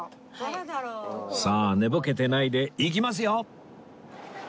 さあ寝ぼけてないで行きますよ！